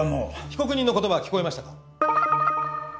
被告人の言葉は聞こえましたか？